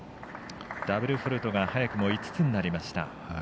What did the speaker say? ダブルフォールトが早くも５つになりました。